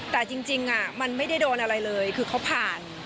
แต่จริงมันไม่ได้โดนอะไรเลยคือเขาผ่าน